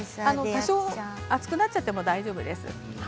多少、厚くなっても大丈夫です。